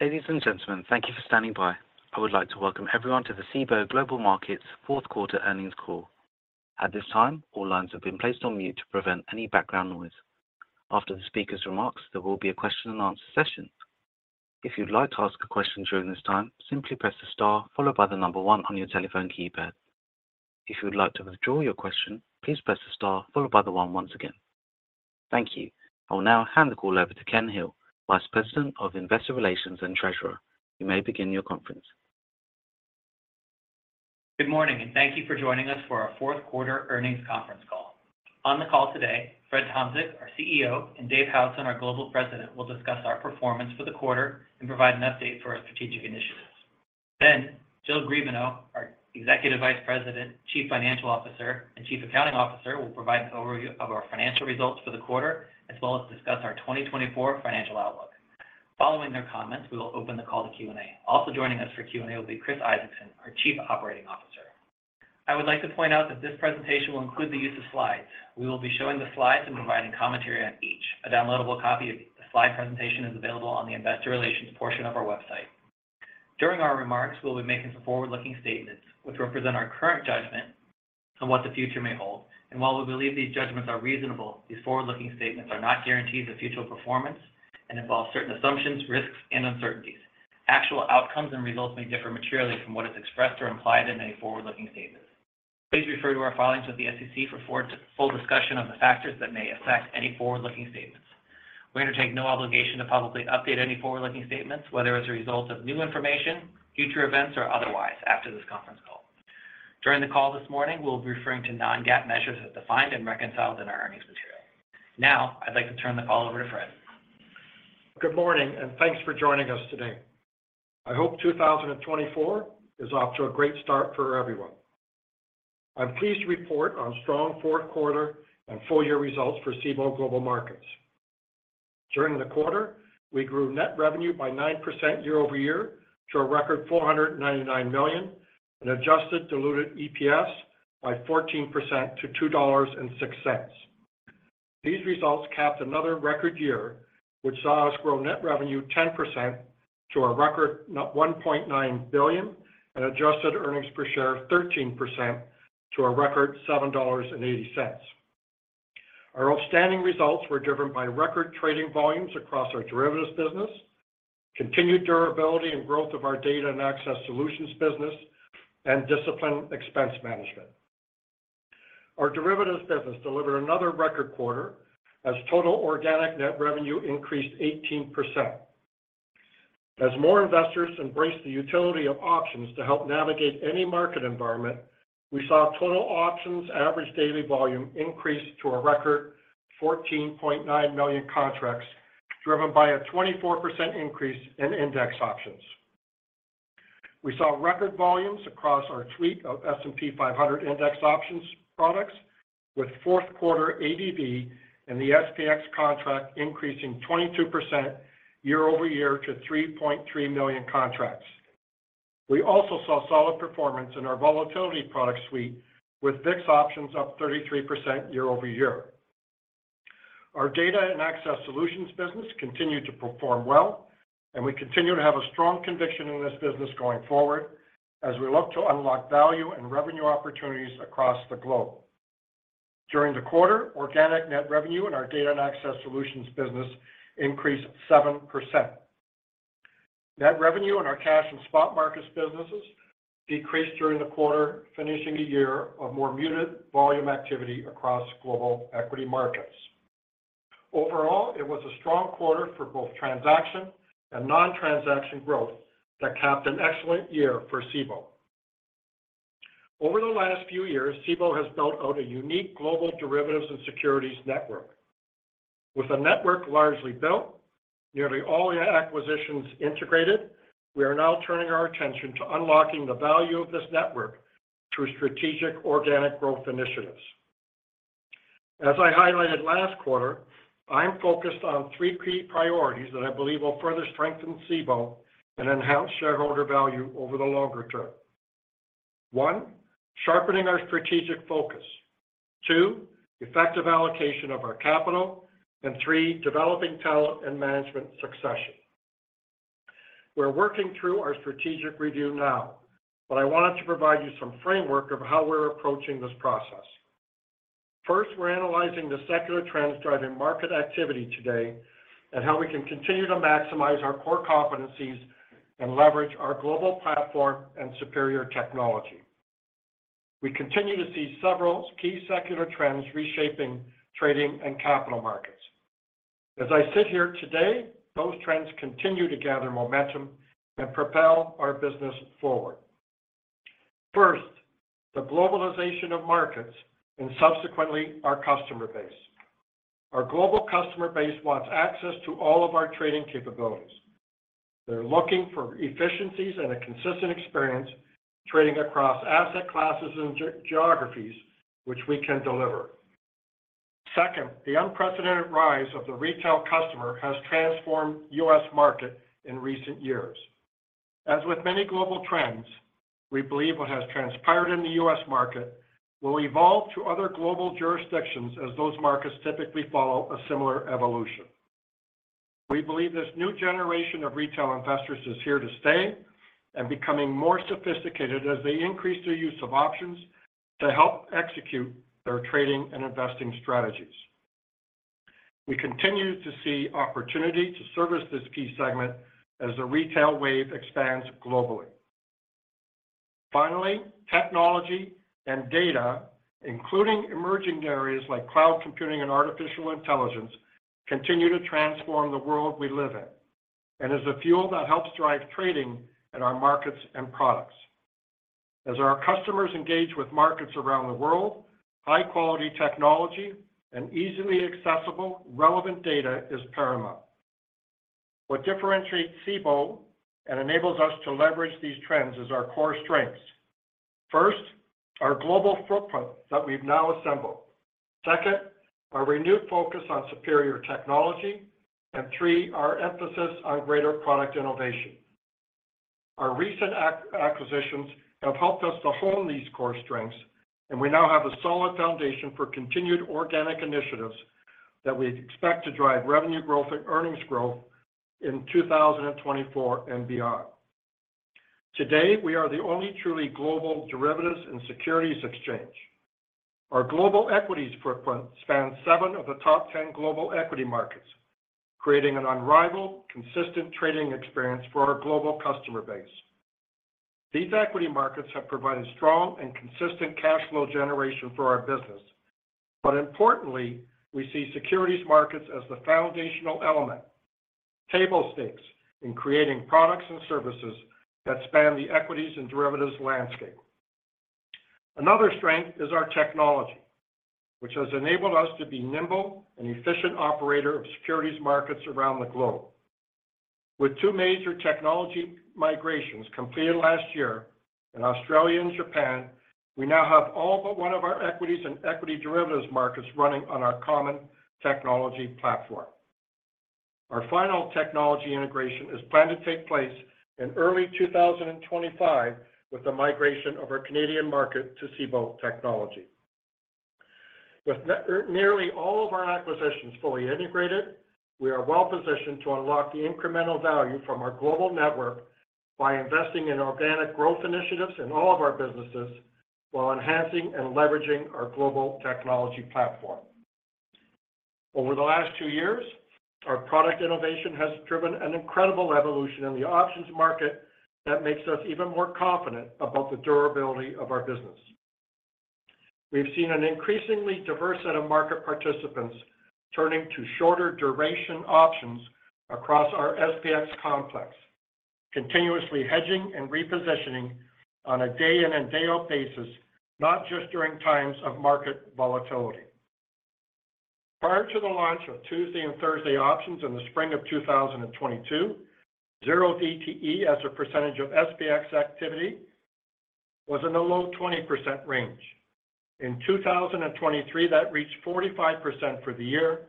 Ladies and gentlemen, thank you for standing by. I would like to welcome everyone to the Cboe Global Markets Q4 earnings call. At this time, all lines have been placed on mute to prevent any background noise. After the speaker's remarks, there will be a question and answer session. If you'd like to ask a question during this time, simply press the star followed by the number one on your telephone keypad. If you would like to withdraw your question, please press the star followed by the one once again. Thank you. I will now hand the call over to Ken Hill, Vice President of Investor Relations and Treasurer. You may begin your conference. Good morning, and thank you for joining us for our Q4 earnings conference call. On the call today, Fred Tomczyk, our CEO, and Dave Howson, our Global President, will discuss our performance for the quarter and provide an update for our strategic initiatives. Then, Jill Griebenow, our Executive Vice President, Chief Financial Officer, and Chief Accounting Officer, will provide an overview of our financial results for the quarter, as well as discuss our 2024 financial outlook. Following their comments, we will open the call to Q&A. Also joining us for Q&A will be Chris Isaacson, our Chief Operating Officer. I would like to point out that this presentation will include the use of slides. We will be showing the slides and providing commentary on each. A downloadable copy of the slide presentation is available on the investor relations portion of our website. During our remarks, we'll be making some forward-looking statements, which represent our current judgment on what the future may hold. While we believe these judgments are reasonable, these forward-looking statements are not guarantees of future performance and involve certain assumptions, risks, and uncertainties. Actual outcomes and results may differ materially from what is expressed or implied in any forward-looking statements. Please refer to our filings with the SEC for full discussion on the factors that may affect any forward-looking statements. We undertake no obligation to publicly update any forward-looking statements, whether as a result of new information, future events, or otherwise after this conference call. During the call this morning, we'll be referring to Non-GAAP measures as defined and reconciled in our earnings material. Now, I'd like to turn the call over to Fred. Good morning, and thanks for joining us today. I hope 2024 is off to a great start for everyone. I'm pleased to report on strong Q4 and full year results for Cboe Global Markets. During the quarter, we grew net revenue by 9% year-over-year to a record $499 million, and adjusted diluted EPS by 14% to $2.06. These results capped another record year, which saw us grow net revenue 10% to a record $1.9 billion, and adjusted earnings per share of 13% to a record $7.80. Our outstanding results were driven by record trading volumes across our derivatives business, continued durability and growth of our Data and Access Solutions business, and disciplined expense management. Our derivatives business delivered another record quarter as total organic net revenue increased 18%. As more investors embrace the utility of options to help navigate any market environment, we saw total options average daily volume increase to a record 14.9 million contracts, driven by a 24% increase in index options. We saw record volumes across our suite of S&P 500 Index options products, with Q4 ADV and the SPX contract increasing 22% year-over-year to 3.3 million contracts. We also saw solid performance in our volatility product suite, with VIX options up 33% year-over-year. Our data and access solutions business continued to perform well, and we continue to have a strong conviction in this business going forward as we look to unlock value and revenue opportunities across the globe. During the quarter, organic net revenue in our data and access solutions business increased 7%. Net revenue in our cash and spot markets businesses decreased during the quarter, finishing a year of more muted volume activity across global equity markets. Overall, it was a strong quarter for both transaction and non-transaction growth that capped an excellent year for Cboe. Over the last few years, Cboe has built out a unique global derivatives and securities network. With the network largely built, nearly all the acquisitions integrated, we are now turning our attention to unlocking the value of this network through strategic organic growth initiatives. As I highlighted last quarter, I'm focused on three key priorities that I believe will further strengthen Cboe and enhance shareholder value over the longer term. One, sharpening our strategic focus, two, effective allocation of our capital, and three, developing talent and management succession. We're working through our strategic review now, but I wanted to provide you some framework of how we're approaching this process. First, we're analyzing the secular trends driving market activity today, and how we can continue to maximize our core competencies and leverage our global platform and superior technology. We continue to see several key secular trends reshaping trading and capital markets. As I sit here today, those trends continue to gather momentum and propel our business forward. First, the globalization of markets and subsequently, our customer base. Our global customer base wants access to all of our trading capabilities. They're looking for efficiencies and a consistent experience trading across asset classes and geographies, which we can deliver. Second, the unprecedented rise of the retail customer has transformed U.S. market in recent years. As with many global trends, we believe what has transpired in the U.S. market will evolve to other global jurisdictions as those markets typically follow a similar evolution. We believe this new generation of retail investors is here to stay and becoming more sophisticated as they increase their use of options to help execute their trading and investing strategies. We continue to see opportunity to service this key segment as the retail wave expands globally. Finally, technology and data, including emerging areas like cloud computing and artificial intelligence, continue to transform the world we live in, and is a fuel that helps drive trading in our markets and products. As our customers engage with markets around the world, high-quality technology and easily accessible, relevant data is paramount. What differentiates Cboe and enables us to leverage these trends is our core strengths. First, our global footprint that we've now assembled. Second, our renewed focus on superior technology. And three, our emphasis on greater product innovation. Our recent acquisitions have helped us to hone these core strengths, and we now have a solid foundation for continued organic initiatives that we expect to drive revenue growth and earnings growth in 2024 and beyond. Today, we are the only truly global derivatives and securities exchange. Our global equities footprint spans seven of the top 10 global equity markets, creating an unrivaled, consistent trading experience for our global customer base. These equity markets have provided strong and consistent cash flow generation for our business. But importantly, we see securities markets as the foundational element, table stakes in creating products and services that span the equities and derivatives landscape. Another strength is our technology, which has enabled us to be nimble and efficient operator of securities markets around the globe. With two major technology migrations completed last year in Australia and Japan, we now have all but one of our equities and equity derivatives markets running on our common technology platform. Our final technology integration is planned to take place in early 2025, with the migration of our Canadian market to Cboe technology. With nearly all of our acquisitions fully integrated, we are well positioned to unlock the incremental value from our global network by investing in organic growth initiatives in all of our businesses, while enhancing and leveraging our global technology platform. Over the last two years, our product innovation has driven an incredible evolution in the options market that makes us even more confident about the durability of our business. We've seen an increasingly diverse set of market participants turning to shorter duration options across our SPX complex, continuously hedging and repositioning on a day in and day out basis, not just during times of market volatility. Prior to the launch of Tuesday and Thursday options in the spring of 2022, zero DTE as a percentage of SPX activity, was in the low 20% range. In 2023, that reached 45% for the year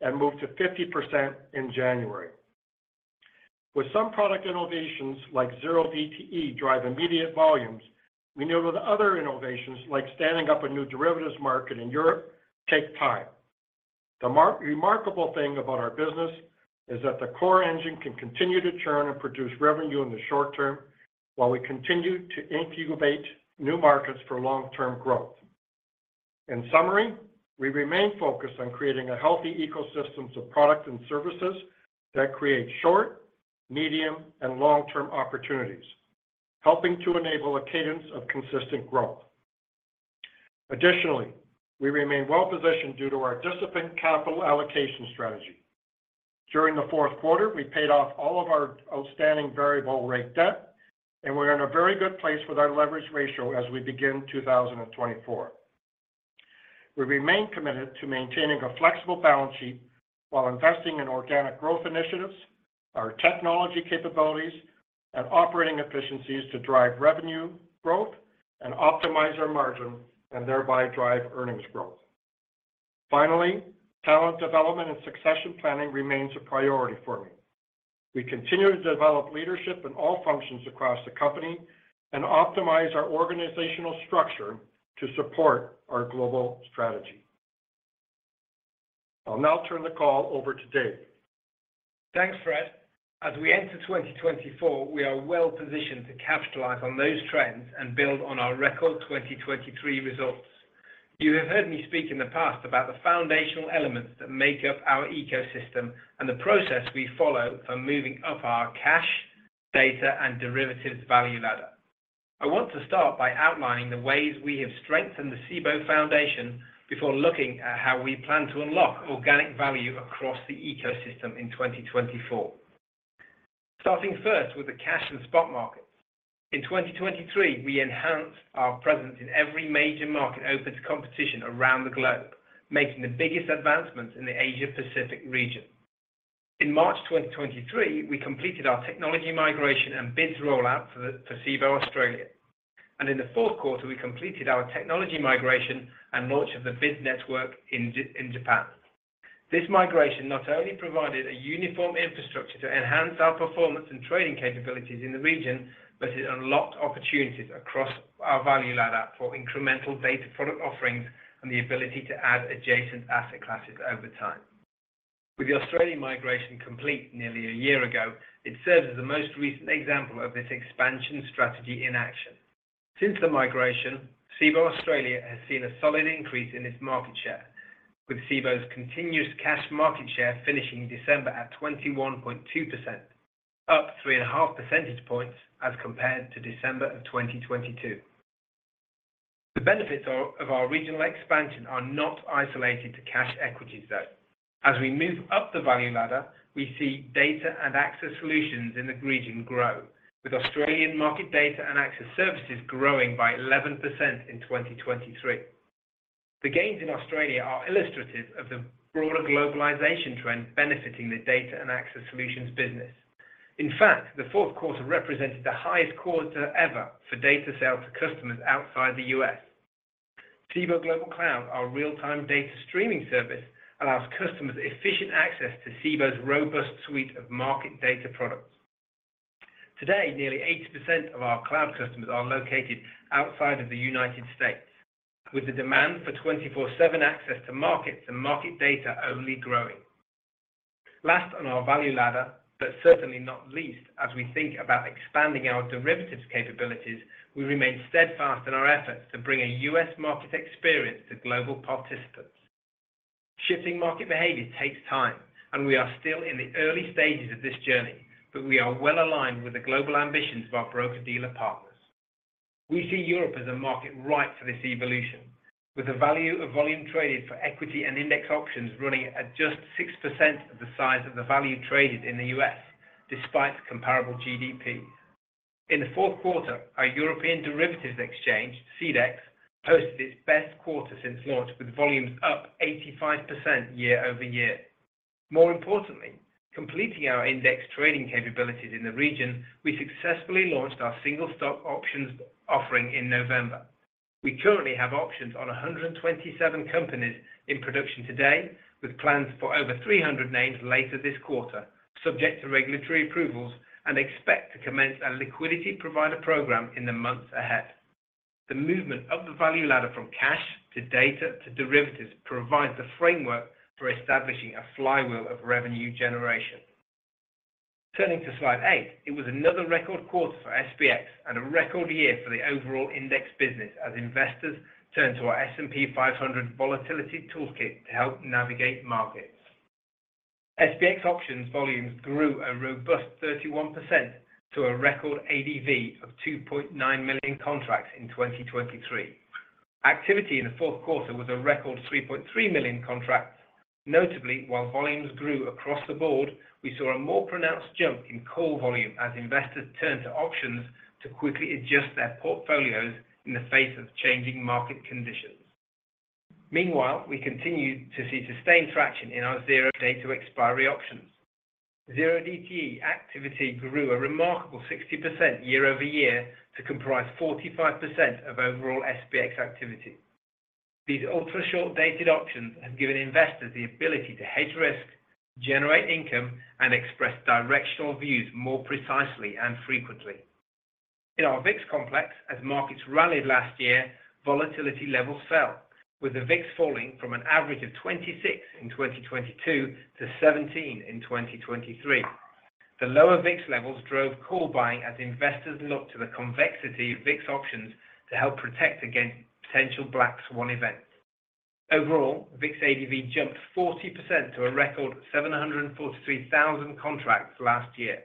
and moved to 50% in January. While some product innovations, like zero DTE, drive immediate volumes, we know that other innovations, like standing up a new derivatives market in Europe, take time. The remarkable thing about our business is that the core engine can continue to churn and produce revenue in the short term, while we continue to incubate new markets for long-term growth. In summary, we remain focused on creating a healthy ecosystems of products and services that create short, medium, and long-term opportunities, helping to enable a cadence of consistent growth. Additionally, we remain well-positioned due to our disciplined capital allocation strategy. During the Q4, we paid off all of our outstanding variable rate debt, and we're in a very good place with our leverage ratio as we begin 2024. We remain committed to maintaining a flexible balance sheet while investing in organic growth initiatives, our technology capabilities, and operating efficiencies to drive revenue growth and optimize our margin, and thereby drive earnings growth. Finally, talent development and succession planning remains a priority for me. We continue to develop leadership in all functions across the company and optimize our organizational structure to support our global strategy. I'll now turn the call over to Dave. Thanks, Fred. As we enter 2024, we are well positioned to capitalize on those trends and build on our record 2023 results. You have heard me speak in the past about the foundational elements that make up our ecosystem and the process we follow for moving up our cash, data, and derivatives value ladder. I want to start by outlining the ways we have strengthened the Cboe Foundation before looking at how we plan to unlock organic value across the ecosystem in 2024. Starting first with the cash and spot markets. In 2023, we enhanced our presence in every major market, open to competition around the globe, making the biggest advancements in the Asia Pacific region. In March 2023, we completed our technology migration and BIDS rollout for Cboe Australia. In the Q4, we completed our technology migration and launch of the BIDS network in Japan. This migration not only provided a uniform infrastructure to enhance our performance and trading capabilities in the region, but it unlocked opportunities across our value ladder for incremental data product offerings and the ability to add adjacent asset classes over time. With the Australian migration complete nearly a year ago, it serves as the most recent example of this expansion strategy in action. Since the migration, Cboe Australia has seen a solid increase in its market share, with Cboe's continuous cash market share finishing December at 21.2%, up 3.5 percentage points as compared to December 2022. The benefits of our regional expansion are not isolated to cash equities, though. As we move up the value ladder, we see data and access solutions in the region grow, with Australian market data and access services growing by 11% in 2023. The gains in Australia are illustrative of the broader globalization trend benefiting the data and access solutions business. In fact, the Q4 represented the highest quarter ever for data sales to customers outside the U.S. Cboe Global Cloud, our real-time data streaming service, allows customers efficient access to Cboe's robust suite of market data products. Today, nearly 80% of our cloud customers are located outside of the United States, with the demand for 24/7 access to markets and market data only growing. Last on our value ladder, but certainly not least, as we think about expanding our derivatives capabilities, we remain steadfast in our efforts to bring a U.S. market experience to global participants. Shifting market behavior takes time, and we are still in the early stages of this journey, but we are well aligned with the global ambitions of our broker-dealer partners. We see Europe as a market ripe for this evolution, with the value of volume traded for equity and index options running at just 6% of the size of the value traded in the U.S., despite comparable GDP. In the Q4, our European derivatives exchange, CEDX, posted its best quarter since launch, with volumes up 85% year-over-year. More importantly, completing our index trading capabilities in the region, we successfully launched our single stock options offering in November. We currently have options on 127 companies in production today, with plans for over 300 names later this quarter, subject to regulatory approvals, and expect to commence a liquidity provider program in the months ahead. The movement of the value ladder from cash to data to derivatives provides a framework for establishing a flywheel of revenue generation. Turning to slide 8, it was another record quarter for SPX and a record year for the overall index business as investors turned to our S&P 500 volatility toolkit to help navigate markets. SPX options volumes grew a robust 31% to a record ADV of 2.9 million contracts in 2023. Activity in the Q4 was a record 3.3 million contracts. Notably, while volumes grew across the board, we saw a more pronounced jump in call volume as investors turned to options to quickly adjust their portfolios in the face of changing market conditions. Meanwhile, we continued to see sustained traction in our zero-DTE options. Zero DTE activity grew a remarkable 60% year over year to comprise 45% of overall SPX activity. These ultra-short dated options have given investors the ability to hedge risk, generate income, and express directional views more precisely and frequently. In our VIX complex, as markets rallied last year, volatility levels fell, with the VIX falling from an average of 26 in 2022 to 17 in 2023. The lower VIX levels drove call buying as investors looked to the convexity of VIX options to help protect against potential Black Swan event. Overall, VIX ADV jumped 40% to a record 743,000 contracts last year.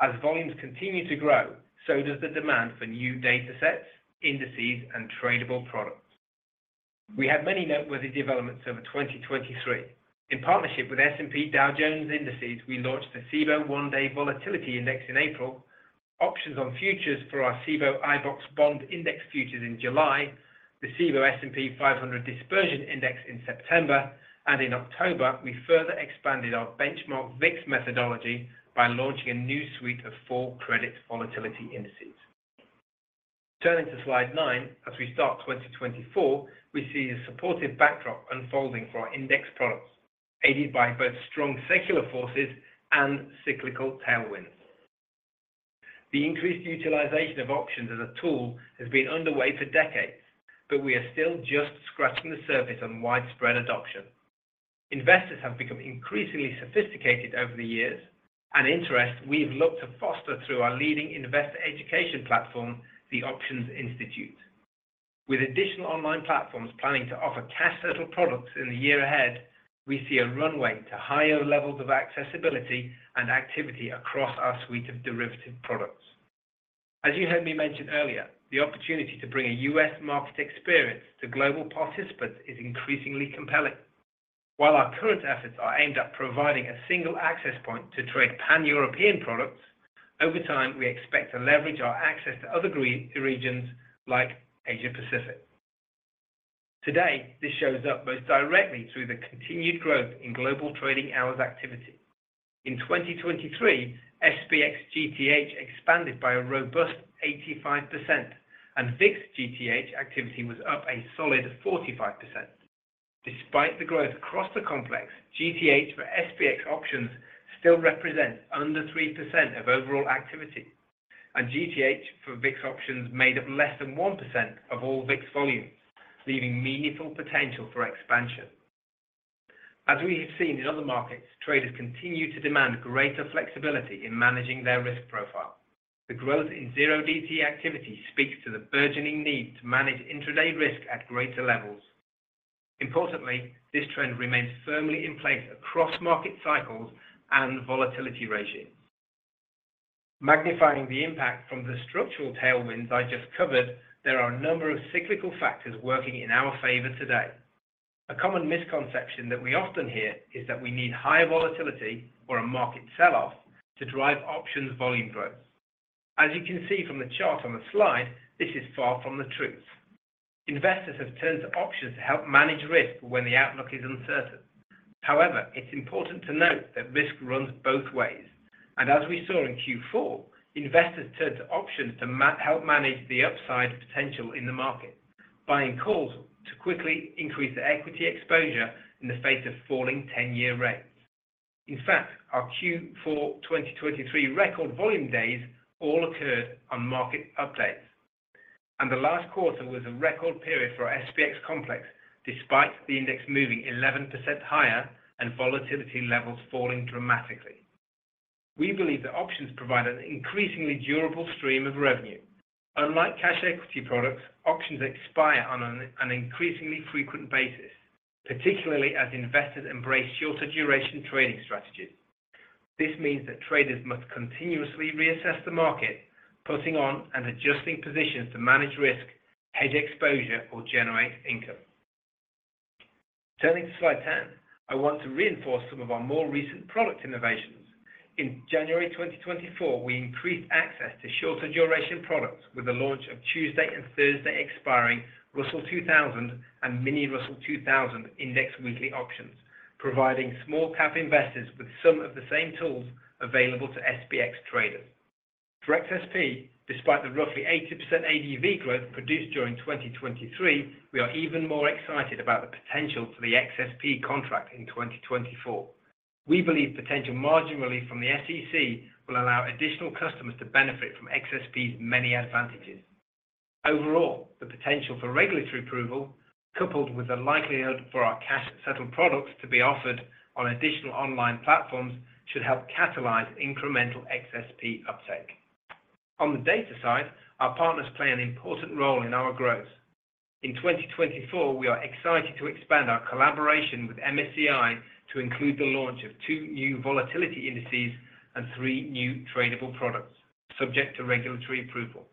As volumes continue to grow, so does the demand for new datasets, indices, and tradable products. We had many noteworthy developments over 2023. In partnership with S&P Dow Jones Indices, we launched the Cboe One-Day Volatility Index in April, options on futures for our Cboe iBoxx Bond Index futures in July, the Cboe S&P 500 Dispersion Index in September, and in October, we further expanded our benchmark VIX methodology by launching a new suite of 4 credit volatility indices. Turning to slide 9, as we start 2024, we see a supportive backdrop unfolding for our index products, aided by both strong secular forces and cyclical tailwinds. The increased utilization of options as a tool has been underway for decades, but we are still just scratching the surface on widespread adoption. Investors have become increasingly sophisticated over the years, an interest we've looked to foster through our leading investor education platform, the Options Institute. With additional online platforms planning to offer cash settled products in the year ahead, we see a runway to higher levels of accessibility and activity across our suite of derivative products. As you heard me mention earlier, the opportunity to bring a U.S. market experience to global participants is increasingly compelling. While our current efforts are aimed at providing a single access point to trade Pan-European products, over time, we expect to leverage our access to other green regions like Asia-Pacific. Today, this shows up most directly through the continued growth in Global Trading Hours activity. In 2023, SPX GTH expanded by a robust 85%, and VIX GTH activity was up a solid 45%. Despite the growth across the complex, GTH for SPX options still represents under 3% of overall activity, and GTH for VIX options made up less than 1% of all VIX volume, leaving meaningful potential for expansion. As we have seen in other markets, traders continue to demand greater flexibility in managing their risk profile. The growth in zero DTE activity speaks to the burgeoning need to manage intraday risk at greater levels. Importantly, this trend remains firmly in place across market cycles and volatility regimes. Magnifying the impact from the structural tailwinds I just covered, there are a number of cyclical factors working in our favor today. A common misconception that we often hear is that we need higher volatility or a market sell-off to drive options volume growth. As you can see from the chart on the slide, this is far from the truth. Investors have turned to options to help manage risk when the outlook is uncertain. However, it's important to note that risk runs both ways, and as we saw in Q4, investors turned to options to help manage the upside potential in the market, buying calls to quickly increase their equity exposure in the face of falling ten-year rates. In fact, our Q4 2023 record volume days all occurred on market updates, and the last quarter was a record period for our SPX complex, despite the index moving 11% higher and volatility levels falling dramatically. We believe that options provide an increasingly durable stream of revenue. Unlike cash equity products, options expire on an increasingly frequent basis, particularly as investors embrace shorter duration trading strategies. This means that traders must continuously reassess the market, putting on and adjusting positions to manage risk, hedge exposure, or generate income. Turning to slide 10, I want to reinforce some of our more recent product innovations. In January 2024, we increased access to shorter duration products with the launch of Tuesday and Thursday, expiring Russell 2000 and Mini Russell 2000 Index weekly options, providing small-cap investors with some of the same tools available to SPX traders. For XSP, despite the roughly 80% ADV growth produced during 2023, we are even more excited about the potential for the XSP contract in 2024. We believe potential margin relief from the SEC will allow additional customers to benefit from XSP's many advantages. Overall, the potential for regulatory approval, coupled with the likelihood for our cash-settled products to be offered on additional online platforms, should help catalyze incremental XSP uptake. On the data side, our partners play an important role in our growth. In 2024, we are excited to expand our collaboration with MSCI to include the launch of 2 new volatility indices and 3 new tradable products, subject to regulatory approval.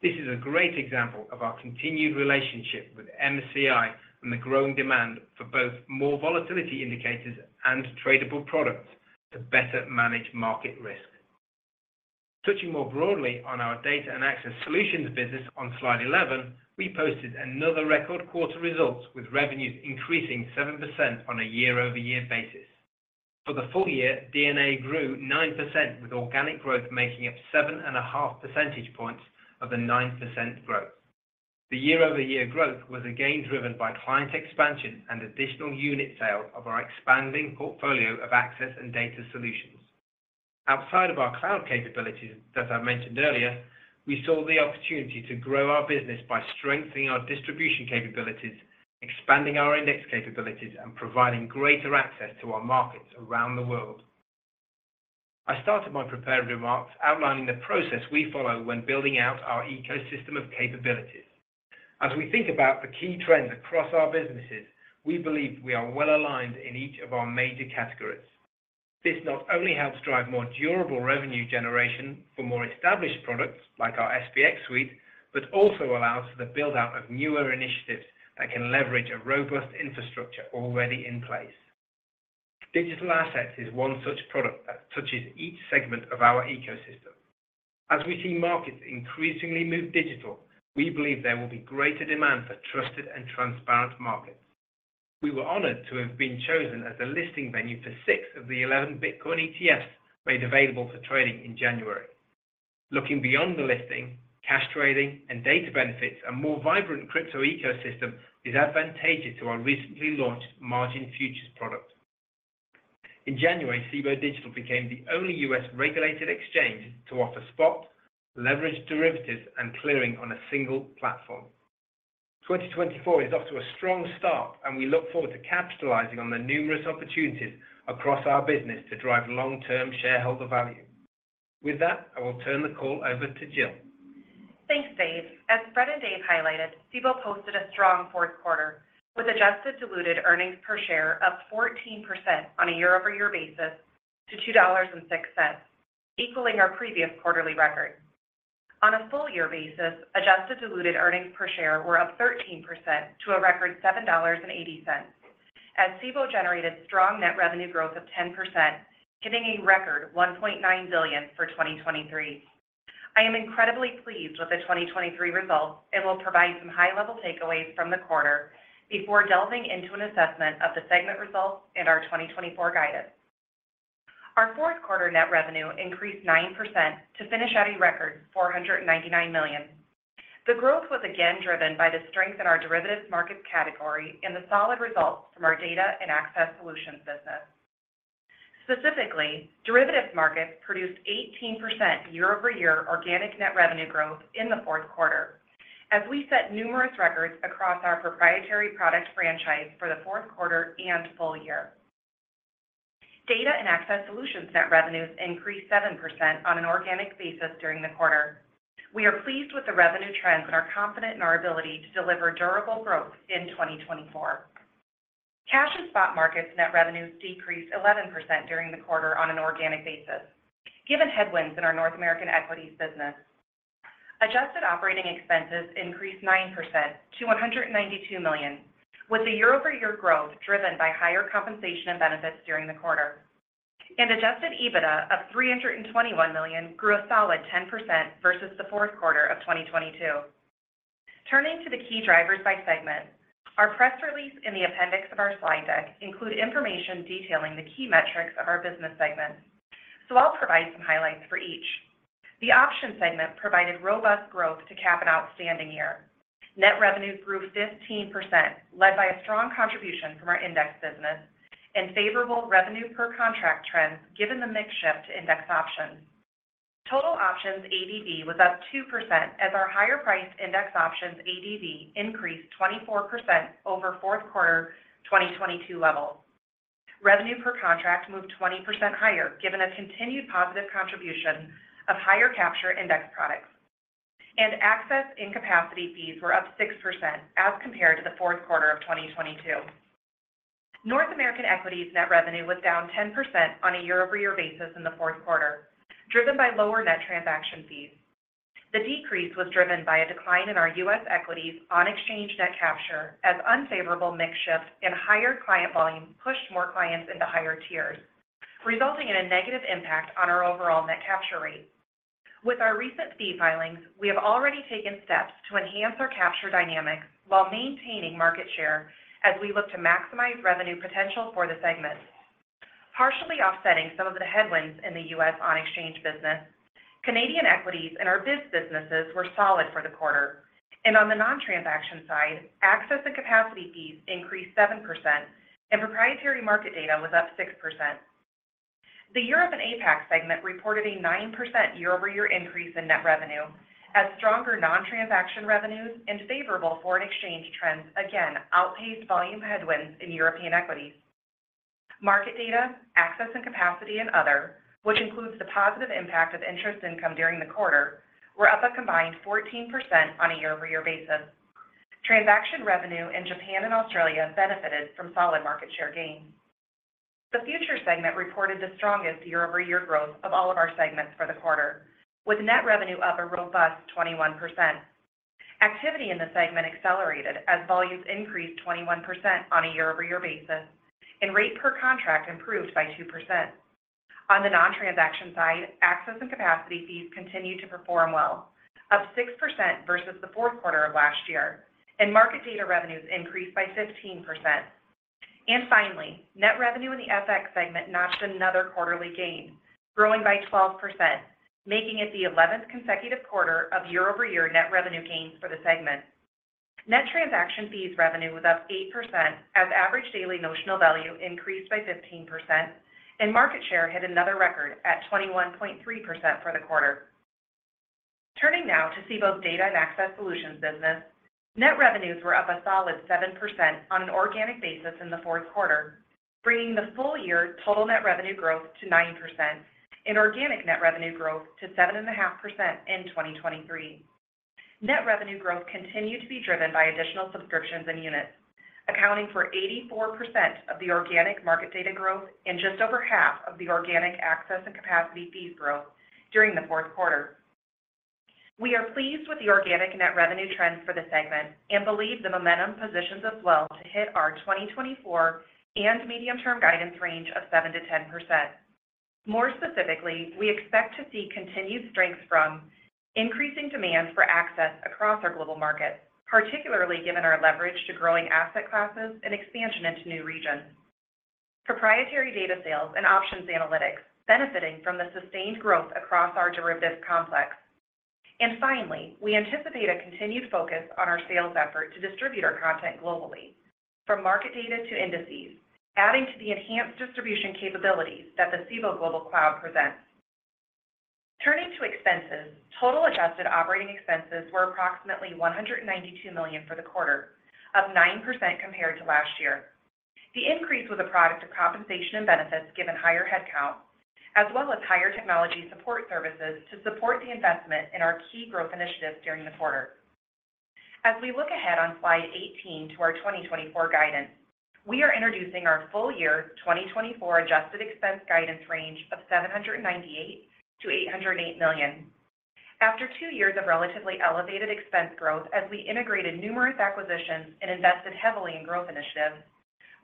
This is a great example of our continued relationship with MSCI and the growing demand for both more volatility indicators and tradable products to better manage market risk. Touching more broadly on our data and access solutions business on slide 11, we posted another record quarter results, with revenues increasing 7% on a year-over-year basis. For the full year, DNA grew 9%, with organic growth making up 7.5 percentage points of the 9% growth. The year-over-year growth was again driven by client expansion and additional unit sale of our expanding portfolio of access and data solutions. Outside of our cloud capabilities that I mentioned earlier, we saw the opportunity to grow our business by strengthening our distribution capabilities, expanding our index capabilities, and providing greater access to our markets around the world. I started my prepared remarks outlining the process we follow when building out our ecosystem of capabilities. As we think about the key trends across our businesses, we believe we are well-aligned in each of our major categories. This not only helps drive more durable revenue generation for more established products, like our SPX suite, but also allows for the build-out of newer initiatives that can leverage a robust infrastructure already in place. Digital assets is one such product that touches each segment of our ecosystem. As we see markets increasingly move digital, we believe there will be greater demand for trusted and transparent markets. We were honored to have been chosen as a listing venue for six of the eleven Bitcoin ETFs made available for trading in January. Looking beyond the listing, cash trading and data benefits, a more vibrant crypto ecosystem is advantageous to our recently launched margin futures product. In January, Cboe Digital became the only U.S.-regulated exchange to offer spot, leveraged derivatives, and clearing on a single platform. 2024 is off to a strong start, and we look forward to capitalizing on the numerous opportunities across our business to drive long-term shareholder value. With that, I will turn the call over to Jill. Thanks, Dave. As Fred and Dave highlighted, Cboe posted a strong Q4, with adjusted diluted earnings per share up 14% on a year-over-year basis to $2.06, equaling our previous quarterly record. On a full year basis, adjusted diluted earnings per share were up 13% to a record $7.80, as Cboe generated strong net revenue growth of 10%, hitting a record $1.9 billion for 2023. I am incredibly pleased with the 2023 results and will provide some high-level takeaways from the quarter before delving into an assessment of the segment results and our 2024 guidance. Our Q4 net revenue increased 9% to finish at a record $499 million. The growth was again driven by the strength in our derivatives markets category and the solid results from our data and access solutions business. Specifically, derivatives markets produced 18% year-over-year organic net revenue growth in the Q4. As we set numerous records across our proprietary product franchise for the Q4 and full year. Data and Access Solutions net revenues increased 7% on an organic basis during the quarter. We are pleased with the revenue trends and are confident in our ability to deliver durable growth in 2024. Cash and Spot Markets net revenues decreased 11% during the quarter on an organic basis, given headwinds in our North American equities business. Adjusted operating expenses increased 9% to $192 million, with the year-over-year growth driven by higher compensation and benefits during the quarter. Adjusted EBITDA of $321 million grew a solid 10% versus the Q4 of 2022. Turning to the key drivers by segment, our press release in the appendix of our slide deck include information detailing the key metrics of our business segments, so I'll provide some highlights for each. The Options segment provided robust growth to cap an outstanding year. Net revenues grew 15%, led by a strong contribution from our index business and favorable revenue per contract trends, given the mix shift to index options. Total options ADV was up 2% as our higher-priced index options ADV increased 24% over Q4 2022 levels. Revenue per contract moved 20% higher, given a continued positive contribution of higher capture index products, and access and capacity fees were up 6% as compared to the Q4 of 2022. North American Equities net revenue was down 10% on a year-over-year basis in the Q4, driven by lower net transaction fees. The decrease was driven by a decline in our U.S. equities on-exchange net capture, as unfavorable mix shifts and higher client volume pushed more clients into higher tiers, resulting in a negative impact on our overall net capture rate. With our recent fee filings, we have already taken steps to enhance our capture dynamics while maintaining market share as we look to maximize revenue potential for the segment. Partially offsetting some of the headwinds in the U.S. on-exchange business, Canadian Equities and our BIDS businesses were solid for the quarter, and on the non-transaction side, access and capacity fees increased 7% and proprietary market data was up 6%. The Europe and APAC segment reported a 9% year-over-year increase in net revenue, as stronger non-transaction revenues and favorable foreign exchange trends again outpaced volume headwinds in European equities. Market data, access and capacity, and other, which includes the positive impact of interest income during the quarter, were up a combined 14% on a year-over-year basis. Transaction revenue in Japan and Australia benefited from solid market share gains. The Futures segment reported the strongest year-over-year growth of all of our segments for the quarter, with net revenue up a robust 21%. Activity in the segment accelerated as volumes increased 21% on a year-over-year basis, and rate per contract improved by 2%. On the non-transaction side, access and capacity fees continued to perform well, up 6% versus the Q4 of last year, and market data revenues increased by 15%. Finally, net revenue in the FX segment notched another quarterly gain, growing by 12%, making it the 11th consecutive quarter of year-over-year net revenue gains for the segment. Net transaction fees revenue was up 8%, as average daily notional value increased by 15%, and market share hit another record at 21.3% for the quarter. Turning now to Cboe's Data and Access Solutions business. Net revenues were up a solid 7% on an organic basis in the Q4, bringing the full year total net revenue growth to 9% and organic net revenue growth to 7.5% in 2023. Net revenue growth continued to be driven by additional subscriptions and units, accounting for 84% of the organic market data growth and just over half of the organic access and capacity fees growth during the Q4. We are pleased with the organic net revenue trends for the segment and believe the momentum positions us well to hit our 2024 and medium-term guidance range of 7%-10%. More specifically, we expect to see continued strength from increasing demand for access across our global markets, particularly given our leverage to growing asset classes and expansion into new regions. Proprietary data sales and options analytics benefiting from the sustained growth across our derivatives complex. And finally, we anticipate a continued focus on our sales effort to distribute our content globally, from market data to indices, adding to the enhanced distribution capabilities that the Cboe Global Cloud presents. Turning to expenses, total adjusted operating expenses were approximately $192 million for the quarter, up 9% compared to last year. The increase was a product of compensation and benefits given higher headcount, as well as higher technology support services to support the investment in our key growth initiatives during the quarter. As we look ahead on slide 18 to our 2024 guidance, we are introducing our full year 2024 adjusted expense guidance range of $798 million-$808 million. After 2 years of relatively elevated expense growth as we integrated numerous acquisitions and invested heavily in growth initiatives...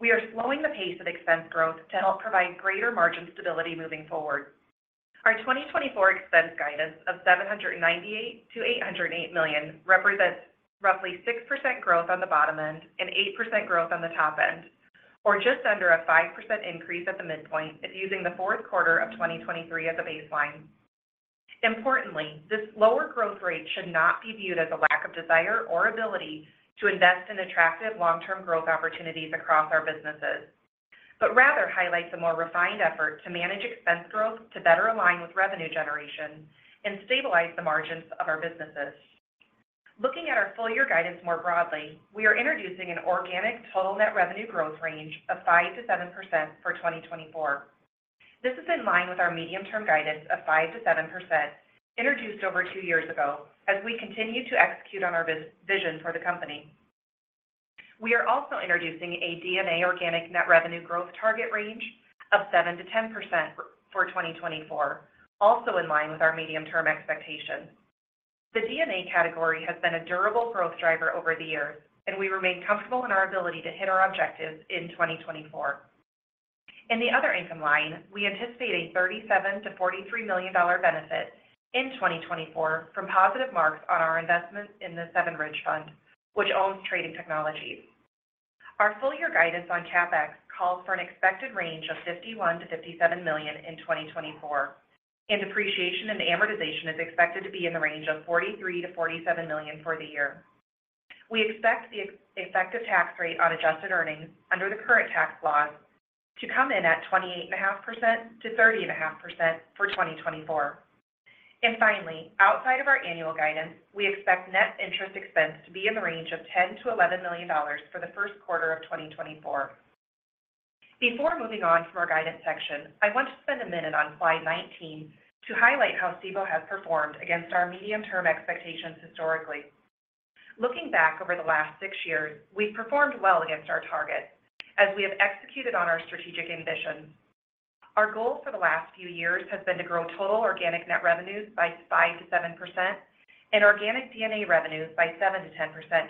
we are slowing the pace of expense growth to help provide greater margin stability moving forward. Our 2024 expense guidance of $798 million-$808 million represents roughly 6% growth on the bottom end and 8% growth on the top end, or just under a 5% increase at the midpoint if using the Q4 of 2023 as a baseline. Importantly, this lower growth rate should not be viewed as a lack of desire or ability to invest in attractive long-term growth opportunities across our businesses, but rather highlights a more refined effort to manage expense growth to better align with revenue generation and stabilize the margins of our businesses. Looking at our full year guidance more broadly, we are introducing an organic total net revenue growth range of 5%-7% for 2024. This is in line with our medium-term guidance of 5%-7%, introduced over two years ago, as we continue to execute on our vision for the company. We are also introducing a DNA organic net revenue growth target range of 7%-10% for 2024, also in line with our medium-term expectations. The DNA category has been a durable growth driver over the years, and we remain comfortable in our ability to hit our objectives in 2024. In the other income line, we anticipate a $37 million-$43 million benefit in 2024 from positive marks on our investment in the Seven Ridge Fund, which owns Trading Technologies. Our full year guidance on CapEx calls for an expected range of $51-$57 million in 2024, and depreciation and amortization is expected to be in the range of $43-$47 million for the year. We expect the effective tax rate on adjusted earnings under the current tax laws to come in at 28.5%-30.5% for 2024. And finally, outside of our annual guidance, we expect net interest expense to be in the range of $10-$11 million for the Q1 of 2024. Before moving on from our guidance section, I want to spend a minute on slide 19 to highlight how Cboe has performed against our medium-term expectations historically. Looking back over the last 6 years, we've performed well against our target as we have executed on our strategic ambition. Our goal for the last few years has been to grow total organic net revenues by 5%-7% and organic DNA revenues by 7%-10%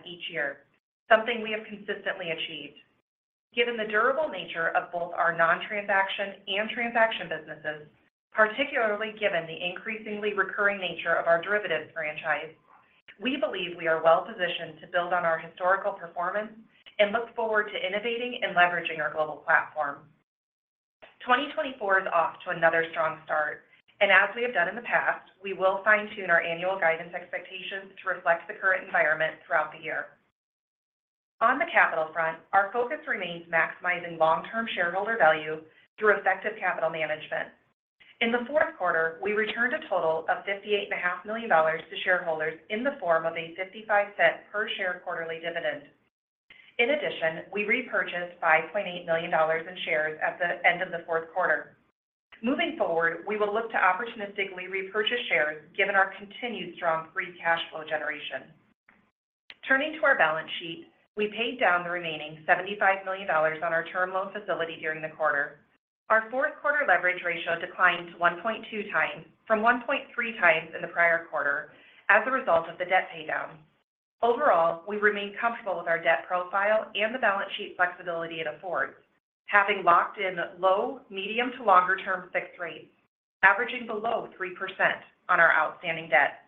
each year, something we have consistently achieved. Given the durable nature of both our non-transaction and transaction businesses, particularly given the increasingly recurring nature of our derivatives franchise, we believe we are well positioned to build on our historical performance and look forward to innovating and leveraging our global platform. 2024 is off to another strong start, and as we have done in the past, we will fine-tune our annual guidance expectations to reflect the current environment throughout the year. On the capital front, our focus remains maximizing long-term shareholder value through effective capital management. In the Q4, we returned a total of $58.5 million to shareholders in the form of a $0.55 per share quarterly dividend. In addition, we repurchased $5.8 million in shares at the end of the Q4. Moving forward, we will look to opportunistically repurchase shares, given our continued strong free cash flow generation. Turning to our balance sheet, we paid down the remaining $75 million on our term loan facility during the quarter. Our Q4 leverage ratio declined to 1.2 times from 1.3 times in the prior quarter as a result of the debt paydown. Overall, we remain comfortable with our debt profile and the balance sheet flexibility it affords, having locked in low, medium- to longer-term fixed rates, averaging below 3% on our outstanding debt.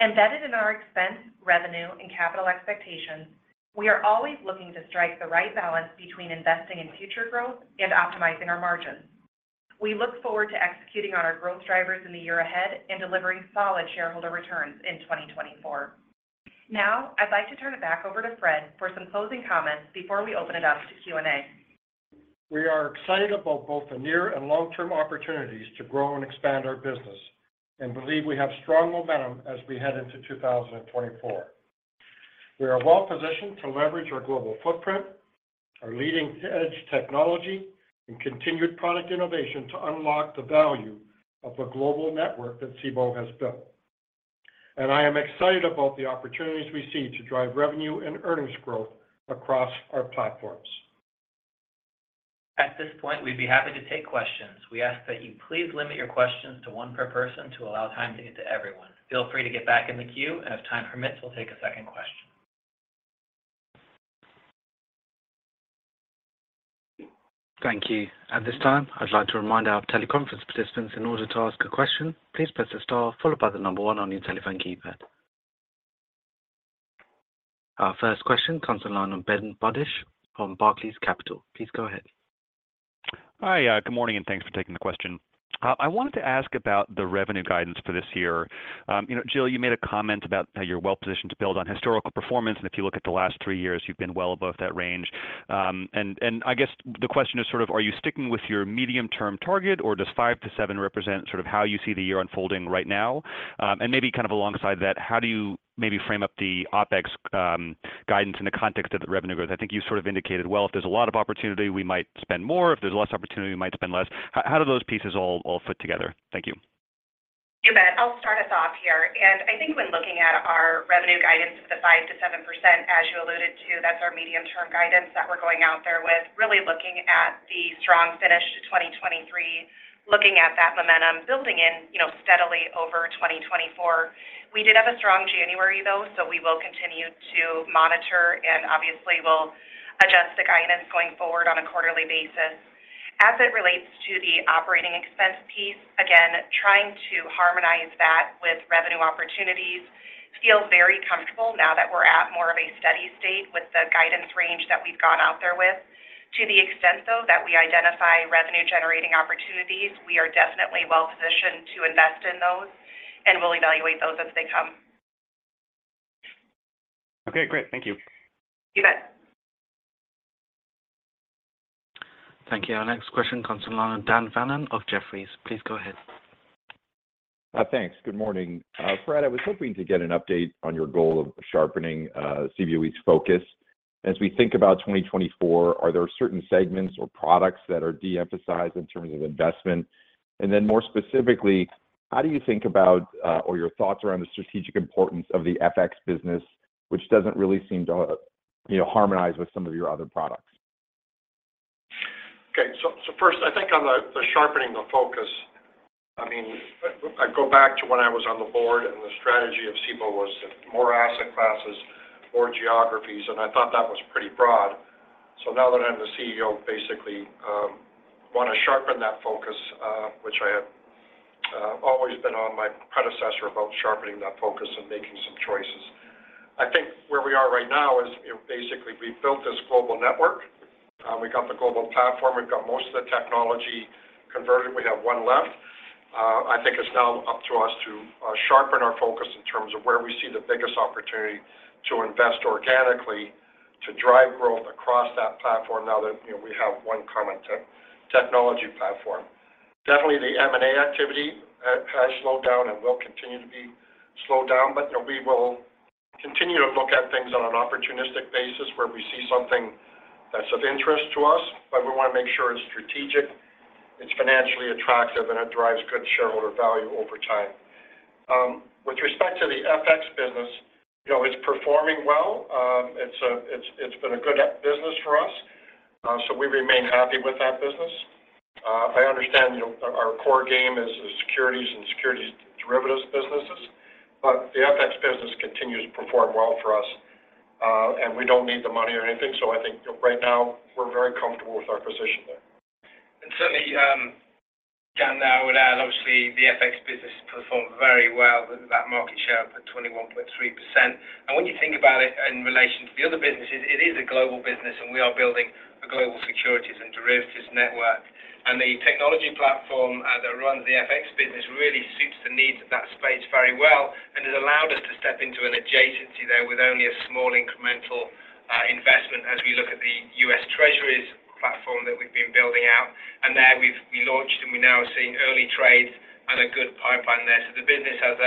Embedded in our expense, revenue, and capital expectations, we are always looking to strike the right balance between investing in future growth and optimizing our margins. We look forward to executing on our growth drivers in the year ahead and delivering solid shareholder returns in 2024. Now, I'd like to turn it back over to Fred for some closing comments before we open it up to Q&A. We are excited about both the near and long-term opportunities to grow and expand our business, and believe we have strong momentum as we head into 2024. We are well positioned to leverage our global footprint, our leading-edge technology, and continued product innovation to unlock the value of the global network that Cboe has built. I am excited about the opportunities we see to drive revenue and earnings growth across our platforms. At this point, we'd be happy to take questions. We ask that you please limit your questions to one per person to allow time to get to everyone. Feel free to get back in the queue, and if time permits, we'll take a second question. Thank you. At this time, I'd like to remind our teleconference participants, in order to ask a question, please press * followed by the number one on your telephone keypad. Our first question comes on the line from Ben Budish from Barclays Capital. Please go ahead. Hi, good morning, and thanks for taking the question. I wanted to ask about the revenue guidance for this year. You know, Jill, you made a comment about how you're well positioned to build on historical performance, and if you look at the last three years, you've been well above that range. And, I guess the question is sort of are you sticking with your medium-term target, or does 5-7 represent sort of how you see the year unfolding right now? And maybe kind of alongside that, how do you maybe frame up the OpEx guidance in the context of the revenue growth? I think you sort of indicated, well, if there's a lot of opportunity, we might spend more. If there's less opportunity, we might spend less. How do those pieces all fit together? Thank you. You bet. I'll start us off here, and I think when looking at our revenue guidance of the 5%-7%, as you alluded to, that's our medium-term guidance that we're going out there with. Really looking at the strong finish to 2023. looking at that momentum building in, you know, steadily over 2024. We did have a strong January, though, so we will continue to monitor, and obviously, we'll adjust the guidance going forward on a quarterly basis. As it relates to the operating expense piece, again, trying to harmonize that with revenue opportunities feels very comfortable now that we're at more of a steady state with the guidance range that we've gone out there with. To the extent, though, that we identify revenue-generating opportunities, we are definitely well-positioned to invest in those, and we'll evaluate those as they come. Okay, great. Thank you. You bet. Thank you. Our next question comes from the line of Dan Fannon of Jefferies. Please go ahead. Thanks. Good morning. Fred, I was hoping to get an update on your goal of sharpening Cboe's focus. As we think about 2024, are there certain segments or products that are de-emphasized in terms of investment? And then more specifically, how do you think about, or your thoughts around the strategic importance of the FX business, which doesn't really seem to, you know, harmonize with some of your other products? Okay. So first, I think on the sharpening the focus, I mean, I go back to when I was on the board, and the strategy of Cboe was more asset classes, more geographies, and I thought that was pretty broad. So now that I'm the CEO, basically, wanna sharpen that focus, which I have always been on my predecessor about sharpening that focus and making some choices. I think where we are right now is, you know, basically we've built this global network. We got the global platform. We've got most of the technology converted. We have one left. I think it's now up to us to sharpen our focus in terms of where we see the biggest opportunity to invest organically, to drive growth across that platform now that, you know, we have one common technology platform. Definitely, the M&A activity has slowed down and will continue to be slowed down, but, you know, we will continue to look at things on an opportunistic basis where we see something that's of interest to us. But we want to make sure it's strategic, it's financially attractive, and it drives good shareholder value over time. With respect to the FX business, you know, it's performing well. It's been a good business for us, so we remain happy with that business. I understand, you know, our core game is the securities and securities derivatives businesses, but the FX business continues to perform well for us, and we don't need the money or anything. So I think right now, we're very comfortable with our position there. And certainly, Dan, I would add, obviously, the FX business performed very well with that market share up at 21.3%. And when you think about it in relation to the other businesses, it is a global business, and we are building a global securities and derivatives network. And the technology platform that runs the FX business really suits the needs of that space very well and has allowed us to step into an adjacency there with only a small incremental investment as we look at the U.S. Treasuries platform that we've been building out. And there we launched, and we now are seeing early trades and a good pipeline there. So the business has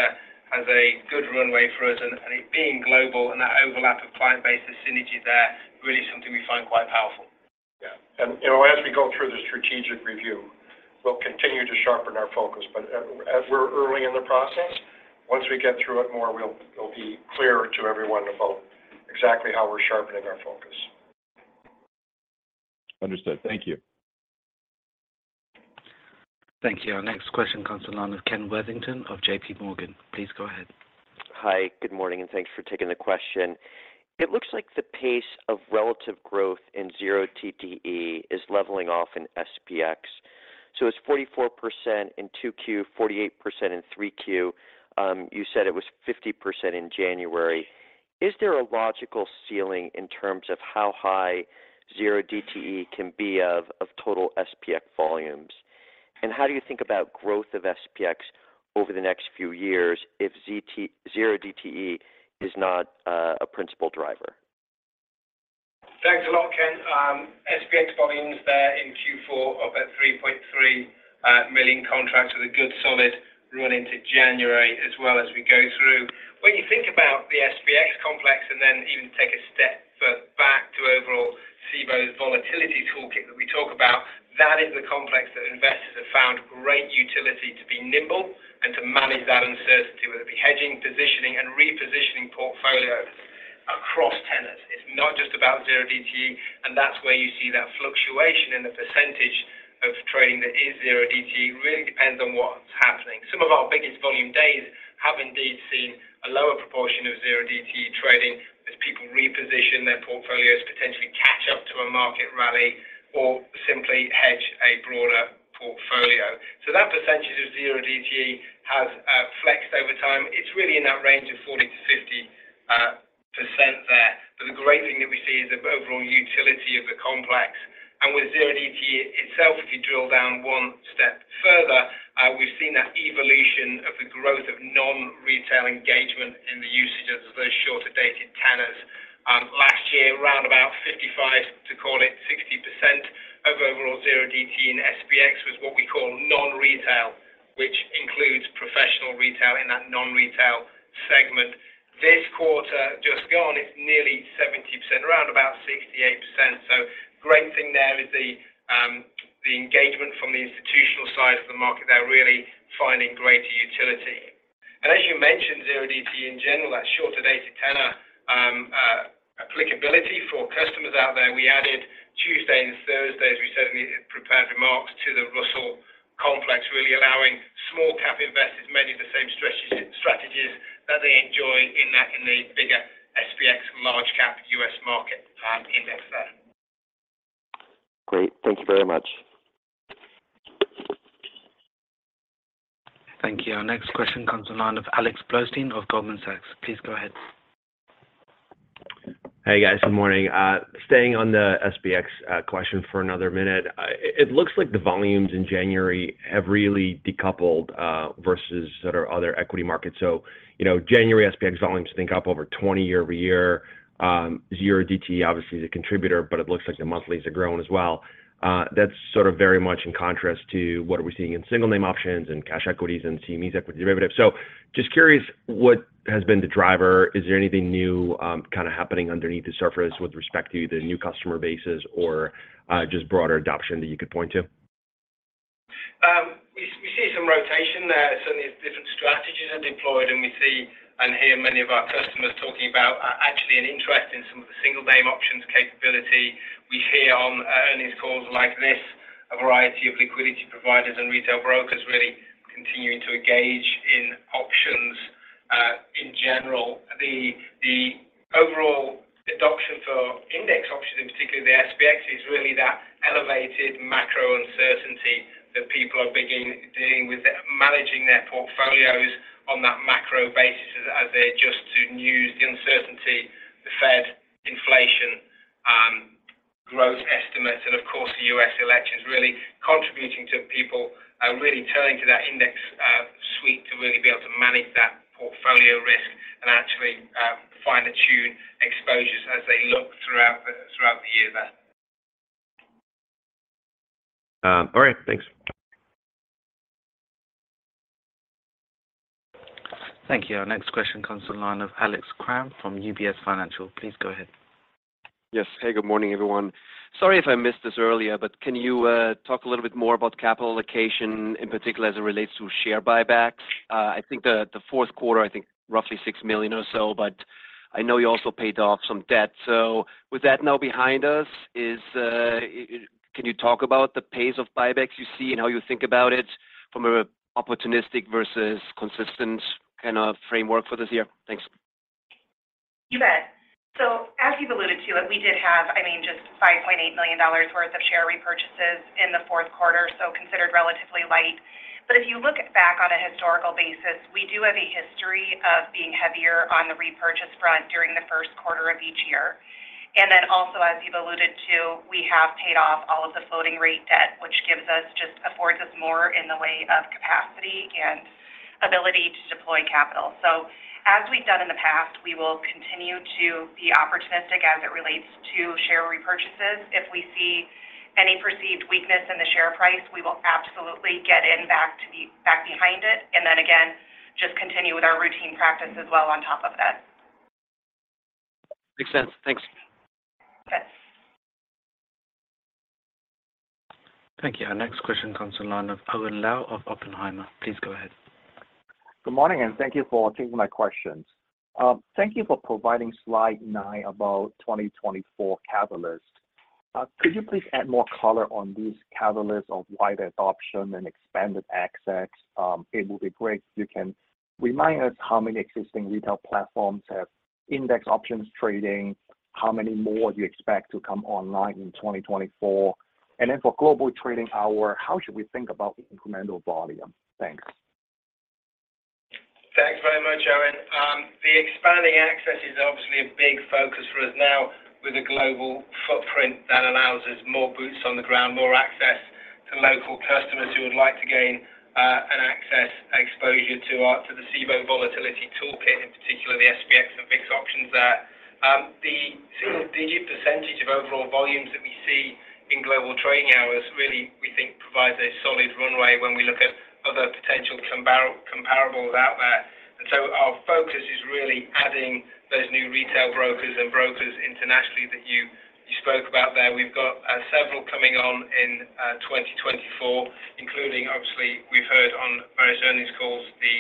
a good runway for us, and it being global and that overlap of client base, the synergy there, really something we find quite powerful. Yeah. And, you know, as we go through the strategic review, we'll continue to sharpen our focus. But as we're early in the process, once we get through it more, we'll, it'll be clearer to everyone about exactly how we're sharpening our focus. Understood. Thank you. Thank you. Our next question comes on the line of Ken Worthington of JP Morgan. Please go ahead. Hi, good morning, and thanks for taking the question. It looks like the pace of relative growth in zero DTE is leveling off in SPX. So it's 44% in 2Q, 48% in 3Q. You said it was 50% in January. Is there a logical ceiling in terms of how high zero DTE can be of total SPX volumes? And how do you think about growth of SPX over the next few years if zero DTE is not a principal driver? Thanks a lot, Ken. SPX volumes there in Q4 of at 3.3 million contracts with a good solid run into January as well as we go through. When you think about the SPX complex and then even take a step further back to overall Cboe's volatility toolkit that we talk about, that is the complex that investors have found great utility to be nimble and to manage that uncertainty, whether it be hedging, positioning, and repositioning portfolio across tenors. It's not just about zero DTE, and that's where you see that fluctuation in the percentage of trading that is zero DTE. It really depends on what's happening. Some of our biggest volume days have indeed seen a lower proportion of zero DTE trading as people reposition their portfolios, potentially catch up to a market rally or simply hedge a broader portfolio. So that percentage of Zero DTE has flexed over time. It's really in that range of 40%-50% there. But the great thing that we see is the overall utility of the complex. And with Zero DTE itself, if you drill down one step further, we've seen that evolution of the growth of non-retail engagement in the usage of those shorter-dated tenors. Last year, around about 55%, to call it 60% of overall Zero DTE in SPX was what we call non-retail, which includes professional retail in that non-retail segment. This quarter, just gone, it's nearly 70%, around about 68%. So great thing there is the engagement from the institutional side of the market. They're really finding greater utility. And as you mentioned, Zero DTE in general, that shorter-dated tenor... ability for customers out there. We added Tuesdays and Thursdays, we said in the prepared remarks to the Russell Complex, really allowing small-cap investors mainly the same strategies, strategies that they enjoy in that, in the bigger SPX large-cap U.S. market, index there. Great. Thank you very much. Thank you. Our next question comes on the line of Alex Blostein of Goldman Sachs. Please go ahead. Hey, guys. Good morning. Staying on the SPX, question for another minute. It looks like the volumes in January have really decoupled versus other equity markets. So, you know, January SPX volumes ticked up over 20 year-over-year. Zero DTE obviously is a contributor, but it looks like the monthlies are growing as well. That's sort of very much in contrast to what we're seeing in single name options and cash equities and CME's equity derivatives. So just curious, what has been the driver? Is there anything new kind of happening underneath the surface with respect to the new customer bases or just broader adoption that you could point to? We see some rotation there. Certainly, different strategies are deployed, and we see and hear many of our customers talking about actually an interest in some of the single name options capability. We hear on earnings calls like this, a variety of liquidity providers and retail brokers really continuing to engage in options in general. The overall adoption for index options, in particular the SPX, is really that elevated macro uncertainty that people are beginning dealing with managing their portfolios on that macro basis as they adjust to new uncertainty, the Fed, inflation, growth estimates, and of course, the U.S. elections, really contributing to people really turning to that index suite to really be able to manage that portfolio risk and actually fine-tune exposures as they look throughout the year there. All right, thanks. Thank you. Our next question comes to the line of Alex Kram from UBS Financial. Please go ahead. Yes. Hey, good morning, everyone. Sorry if I missed this earlier, but can you talk a little bit more about capital allocation, in particular as it relates to share buybacks? I think the Q4, I think roughly 6 million or so, but I know you also paid off some debt. So with that now behind us, is... Can you talk about the pace of buybacks you see and how you think about it from a opportunistic versus consistent kind of framework for this year? Thanks. You bet. So as you've alluded to, we did have, I mean, just $5.8 million worth of share repurchases in the Q4, so considered relatively light. But if you look back on a historical basis, we do have a history of being heavier on the repurchase front during the Q1 of each year. And then also, as you've alluded to, we have paid off all of the floating rate debt, which gives us, just affords us more in the way of capacity and ability to deploy capital. So as we've done in the past, we will continue to be opportunistic as it relates to share repurchases. If we see any perceived weakness in the share price, we will absolutely get in back to the back behind it, and then again, just continue with our routine practice as well on top of that. Makes sense. Thanks. Okay. Thank you. Our next question comes to the line of Owen Lau of Oppenheimer. Please go ahead. Good morning, and thank you for taking my questions. Thank you for providing slide 9 about 2024 catalyst. Could you please add more color on these catalysts of wide adoption and expanded access? It will be great if you can remind us how many existing retail platforms have index options trading, how many more you expect to come online in 2024? And then for global trading hour, how should we think about the incremental volume? Thanks. Thanks very much, Owen. The expanding access is obviously a big focus for us now with a global footprint that allows us more boots on the ground, more access to local customers who would like to gain an access exposure to our, to the Cboe Volatility Toolkit, in particular, the SPX and VIX options there. The single-digit % of overall volumes that we see in global trading hours, really, we think, provides a solid runway when we look at other potential comparables out there. And so our focus is really adding those new retail brokers and brokers internationally that you, you spoke about there. We've got several coming on in 2024, including obviously, we've heard on various earnings calls, the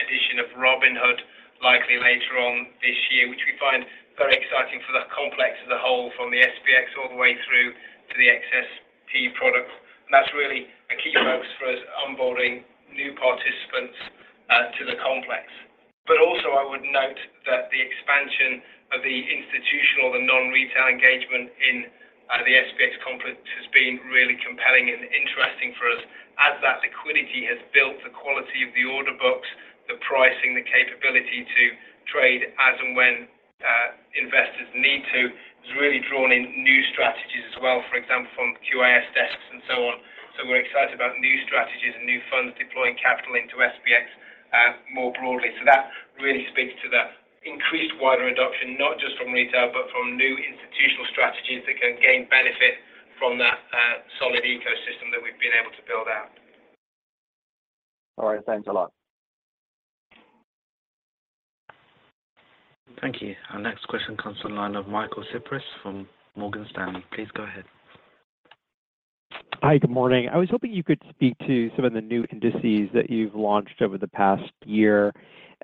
addition of Robinhood, likely later on this year, which we find very exciting for that complex as a whole, from the SPX all the way through to the XSP product. And that's really a key focus for us, onboarding new participants to the complex. But also, I would note that the expansion of the institutional and non-retail engagement in the SPX complex has been really compelling and interesting for us. As that liquidity has built the quality of the order books, the pricing, the capability to trade as and when investors need to, has really drawn in new strategies as well, for example, from QIS desks and so on. So we're excited about new strategies and new funds deploying capital into SPX more broadly. So that really speaks to the increased wider adoption, not just from retail, but from new institutional strategies that can gain benefit from that, solid ecosystem that we've been able to build out. All right. Thanks a lot. Thank you. Our next question comes to the line of Michael Cyprys from Morgan Stanley. Please go ahead. ... Hi, good morning. I was hoping you could speak to some of the new indices that you've launched over the past year,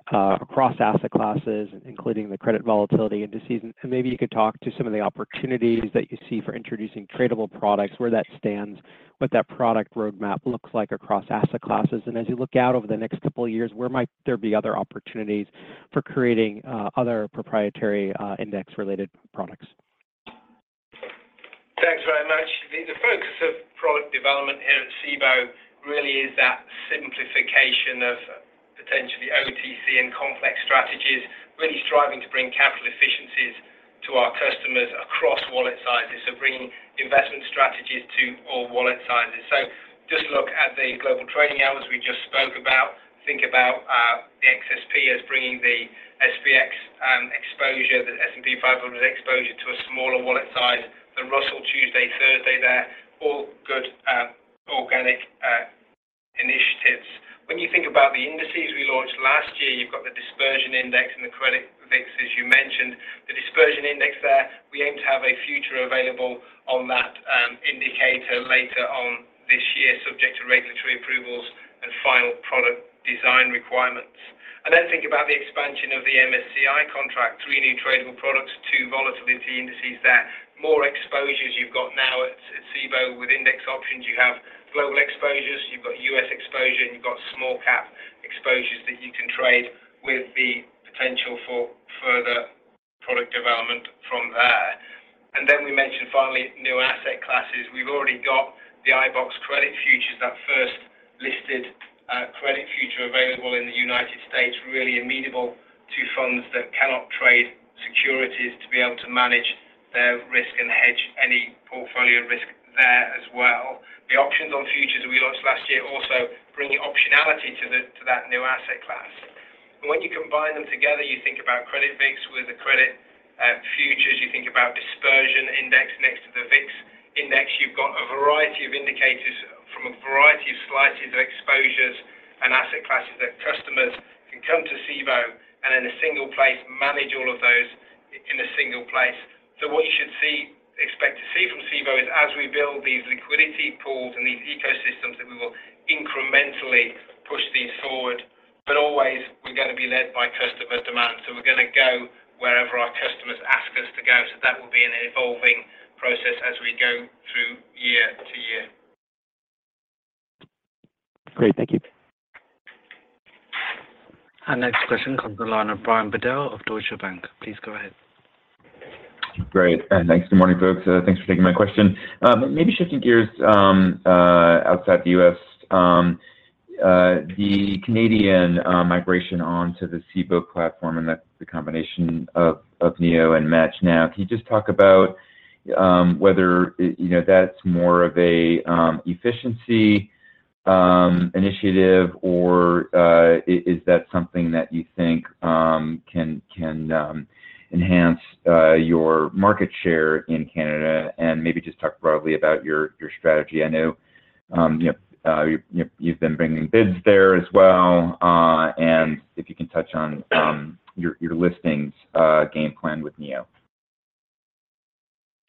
across asset classes, including the Credit Volatility Indices. Maybe you could talk to some of the opportunities that you see for introducing tradable products, where that stands, what that product roadmap looks like across asset classes. As you look out over the next couple of years, where might there be other opportunities for creating other proprietary index-related products? Thanks very much. The focus of product development here at Cboe really is that simplification of potentially OTC and complex strategies, really striving to bring capital efficiencies to our customers across wallet sizes. So bringing investment strategies to all wallet sizes. So just look at the global trading hours we just spoke about. Think about the XSP as bringing the SPX exposure, the S&P 500 exposure to a smaller wallet size, the Russell Tuesday, Thursday, they're all good organic initiatives. When you think about the indices we launched last year, you've got the dispersion index and the Credit VIX. As you mentioned, the dispersion index there, we aim to have a future available on that indicator later on this year, subject to regulatory approvals and final product design requirements. And then think about the expansion of the MSCI contract. Three new tradable products, two volatility indices. That more exposures you've got now at Cboe. With index options, you have global exposures, you've got U.S. exposure, and you've got small-cap exposures that you can trade with the potential for further product development from there. And then we mentioned finally, new asset classes. We've already got the iBoxx credit futures, that first listed credit future available in the United States, really amenable to funds that cannot trade securities to be able to manage their risk and hedge any portfolio risk there as well. The options on futures we launched last year also bring optionality to that new asset class. When you combine them together, you think about Credit VIX with the credit futures. You think about dispersion index next to the VIX Index. You've got a variety of indicators from a variety of slices of exposures and asset classes that customers can come to Cboe, and in a single place, manage all of those in a single place. So what you should see, expect to see from Cboe is as we build these liquidity pools and these ecosystems, that we will incrementally push these forward, but always we're going to be led by customer demand. So we're going to go wherever our customers ask us to go. So that will be an evolving process as we go through year to year. Great. Thank you. Our next question comes from the line of Brian Bedell of Deutsche Bank. Please go ahead. Great, and thanks. Good morning, folks. Thanks for taking my question. Maybe shifting gears, outside the U.S., the Canadian migration onto the Cboe platform, and that's the combination of NEO and MATCHNow. Can you just talk about whether, you know, that's more of a efficiency initiative, or is that something that you think can enhance your market share in Canada? And maybe just talk broadly about your strategy. I know, you know, you've been bringing BIDS there as well. And if you can touch on your listings game plan with NEO.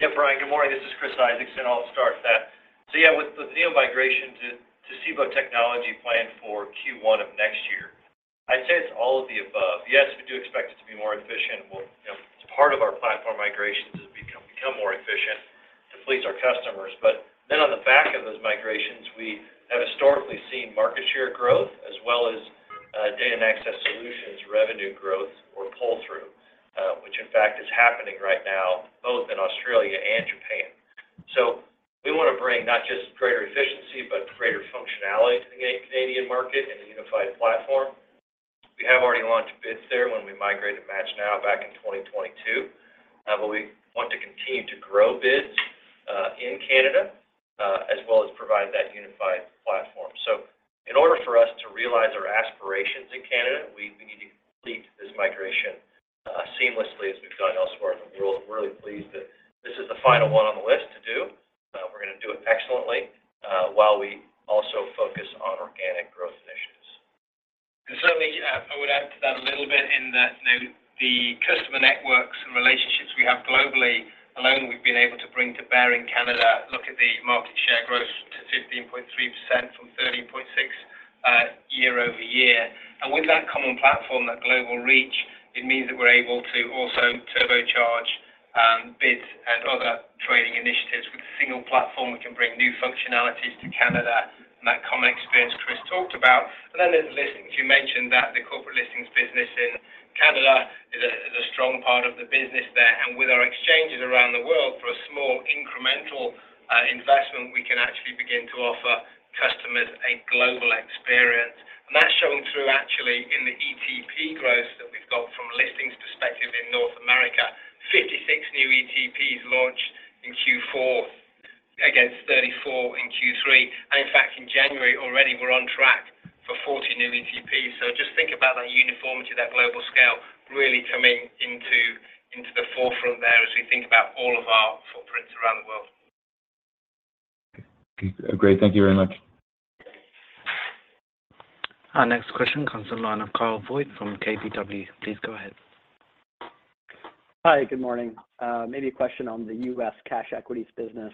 Yeah, Brian, good morning. This is Chris Isaacson. I'll start that. So yeah, with the NEO migration to Cboe technology planned for Q1 of next year, I'd say it's all of the above. Yes, we do expect it to be more efficient. Well, you know, it's part of our platform migrations to become more efficient to please our customers. But then on the back of those migrations, we have historically seen market share growth as well as data and access solutions revenue growth or pull through, which in fact is happening right now both in Australia and Japan. So we want to bring not just greater efficiency, but greater functionality to the Canadian market and the unified platform. We have already launched BIDS there when we migrated MATCHNow back in 2022. But we want to continue to grow BIDS in Canada as well as provide that unified platform. So in order for us to realize our aspirations in Canada, we need to complete this migration seamlessly as we've done elsewhere in the world. We're really pleased that this is the final one on the list to do. We're going to do it excellently while we also focus on organic growth initiatives. And certainly, I would add to that a little bit in that, you know, the customer networks and relationships we have globally alone, we've been able to bring to bear in Canada. Look at the market share growth to 15.3% from 13.6 year-over-year. And with that common platform, that global reach, it means that we're able to also turbocharge, BIDS and other trading initiatives. With a single platform, we can bring new functionalities to Canada and that common experience Chris talked about. And then there's listings. You mentioned that the corporate listings business in Canada is a strong part of the business there. And with our exchanges around the world, for a small incremental investment, we can actually begin to offer customers a global experience. That's shown through, actually, in the ETP growth that we've got from a listings perspective in North America. 56 new ETPs launched in Q4 against 34 in Q3. In fact, in January already, we're on track for 40 new ETPs. Just think about that uniformity, that global scale really coming into, into the forefront there as we think about all of our footprints around the world. Great. Thank you very much.... Our next question comes on the line of Kyle Voigt from KBW. Please go ahead. Hi, good morning. Maybe a question on the US cash equities business.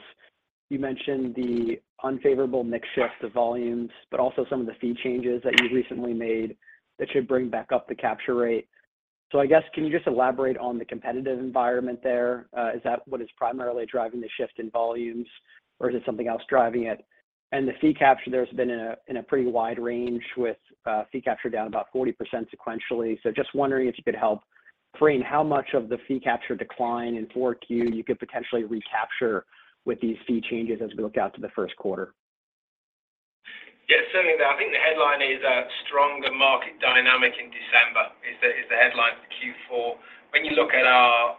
You mentioned the unfavorable mix shift of volumes, but also some of the fee changes that you've recently made that should bring back up the capture rate. So I guess, can you just elaborate on the competitive environment there? Is that what is primarily driving the shift in volumes, or is it something else driving it? And the fee capture there has been in a pretty wide range, with fee capture down about 40% sequentially. So just wondering if you could help frame how much of the fee capture decline in 4Q you could potentially recapture with these fee changes as we look out to the Q1? Yeah, certainly. I think the headline is a stronger market dynamic in December, is the headline for Q4. When you look at our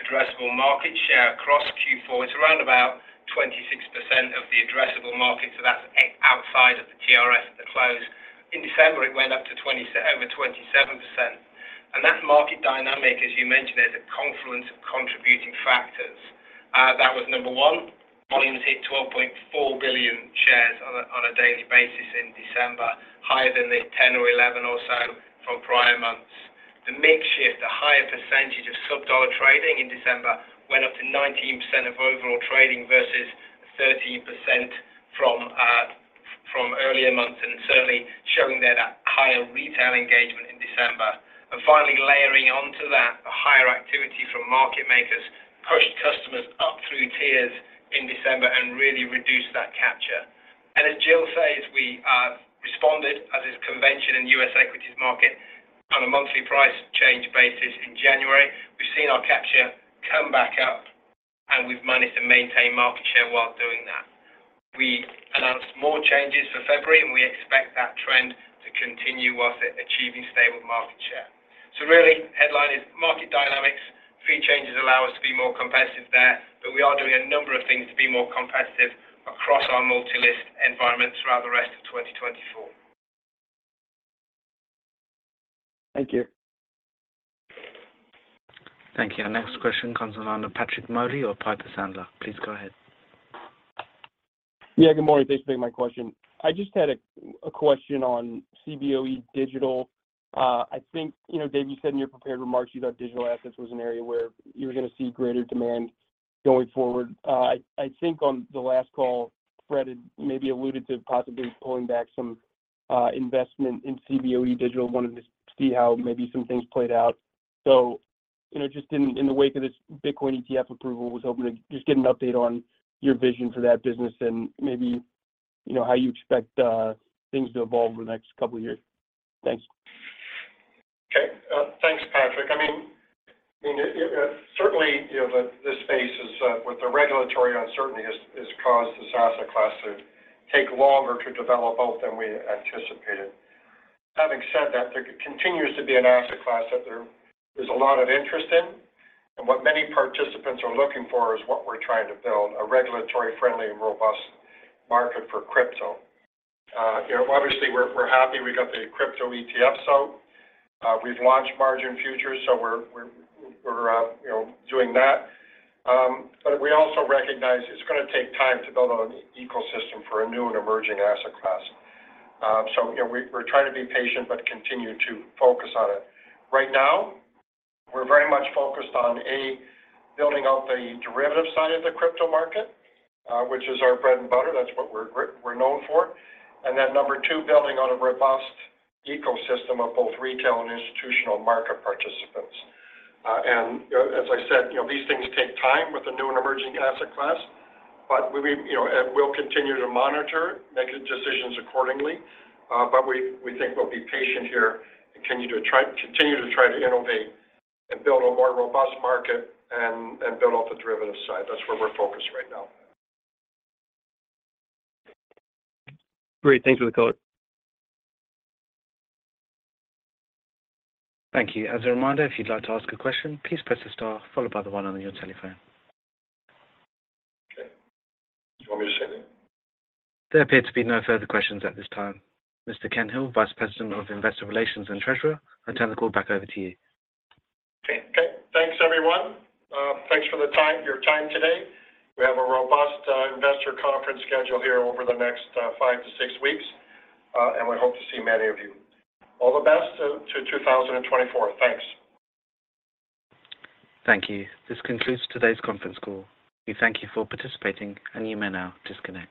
addressable market share across Q4, it's around about 26% of the addressable market, so that's outside of the TRF at the close. In December, it went up to over 27%. And that market dynamic, as you mentioned, is a confluence of contributing factors. That was number one, volumes hit 12.4 billion shares on a daily basis in December, higher than the 10 or 11 or so from prior months. The mix shift, a higher percentage of sub-dollar trading in December, went up to 19% of overall trading versus 13% from earlier months, and certainly showing that higher retail engagement in December. And finally, layering onto that, a higher activity from market makers pushed customers up through tiers in December and really reduced that capture. And as Jill says, we, responded as is convention in the U.S. equities market on a monthly price change basis in January. We've seen our capture come back up, and we've managed to maintain market share while doing that. We announced more changes for February, and we expect that trend to continue whilst achieving stable market share. So really, headline is market dynamics. Fee changes allow us to be more competitive there, but we are doing a number of things to be more competitive across our multi-list environment throughout the rest of 2024. Thank you. Thank you. Our next question comes on the line of Patrick Moley of Piper Sandler. Please go ahead. Yeah, good morning. Thanks for taking my question. I just had a question on Cboe Digital. I think, you know, Dave, you said in your prepared remarks you thought digital assets was an area where you were gonna see greater demand going forward. I think on the last call, Fred had maybe alluded to possibly pulling back some investment in Cboe Digital. Wanted to see how maybe some things played out. So, you know, just in the wake of this Bitcoin ETF approval, was hoping to just get an update on your vision for that business and maybe, you know, how you expect things to evolve over the next couple of years. Thanks. Okay, thanks, Patrick. I mean, certainly, you know, this space is with the regulatory uncertainty has caused this asset class to take longer to develop out than we anticipated. Having said that, there continues to be an asset class that there is a lot of interest in, and what many participants are looking for is what we're trying to build, a regulatory-friendly and robust market for crypto. You know, obviously, we're happy we got the crypto ETF out. We've launched margin futures, so we're doing that. But we also recognize it's gonna take time to build out an ecosystem for a new and emerging asset class. So, you know, we're trying to be patient but continue to focus on it. Right now, we're very much focused on, A, building out the derivative side of the crypto market, which is our bread and butter. That's what we're known for. And then, number two, building on a robust ecosystem of both retail and institutional market participants. As I said, you know, these things take time with a new and emerging asset class. But we, you know, and we'll continue to monitor, make decisions accordingly, but we think we'll be patient here and continue to try to innovate and build a more robust market and build out the derivative side. That's where we're focused right now. Great. Thanks for the call. Thank you. As a reminder, if you'd like to ask a question, please press the star followed by the one on your telephone. Okay. You want me to stay there? There appear to be no further questions at this time. Mr. Ken Hill, Vice President of Investor Relations and Treasurer, I turn the call back over to you. Okay. Okay, thanks, everyone. Thanks for the time, your time today. We have a robust investor conference scheduled here over the next five to six weeks, and we hope to see many of you. All the best to 2024. Thanks. Thank you. This concludes today's conference call. We thank you for participating, and you may now disconnect.